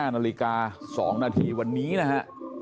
๑๕น๒นวันนี้นะฮะ